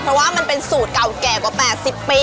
เพราะว่ามันเป็นสูตรเก่าแก่กว่า๘๐ปี